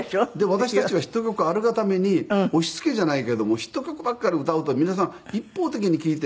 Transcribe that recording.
私たちはヒット曲あるがために押しつけじゃないけれどもヒット曲ばっかり歌うと皆さん一方的に聴いて。